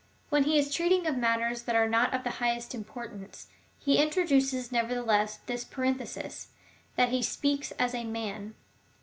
When he is treating of matters that are not of the highest import ance, he introduces nevertheless this parenthesis, that he speaks as a man.